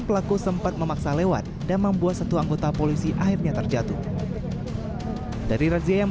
pelaku sempat memaksa lewat dan membuat satu anggota polisi akhirnya terjatuh dari razia yang